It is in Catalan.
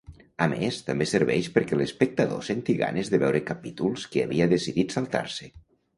A més, també serveix perquè l'espectador senti ganes de veure capítols que havia decidit saltar-se.